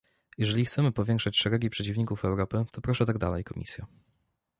Jeżeli chcemy powiększać szeregi przeciwników Europy, to proszę tak dalej, Komisjo